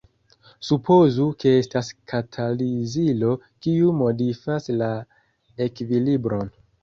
Supozu ke estas katalizilo kiu modifas la ekvilibron.